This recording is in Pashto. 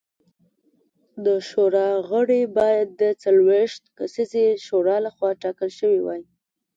د شورا غړي باید د څلوېښت کسیزې شورا لخوا ټاکل شوي وای